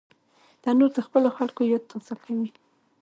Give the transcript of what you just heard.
تنور د خپلو خلکو یاد تازه کوي